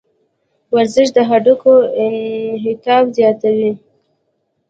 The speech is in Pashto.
ورزش د هډوکو انعطاف زیاتوي.